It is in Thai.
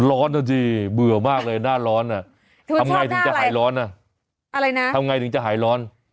ร้อนนะสิเบื่อมากเลยหน้าร้อนทำไงถึงจะหายร้อนอ่ะอะไรนะทำไงถึงจะหายร้อน